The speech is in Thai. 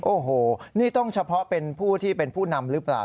โอ้โหนี่ต้องเฉพาะเป็นผู้ที่เป็นผู้นำหรือเปล่า